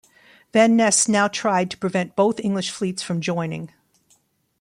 Van Nes now tried to prevent both English fleets from joining.